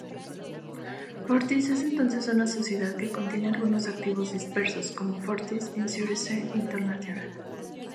Fortis es entonces una sociedad que contiene algunos activos dispersos, como Fortis Insurance International.